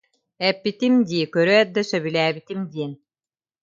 Эппитим дии көрөөт да сөбүлээбитим диэн